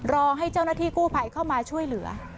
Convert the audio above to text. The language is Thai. รอให้เจ้าหน้าที่กู้ภัยเข้ามาช่วยเหลือ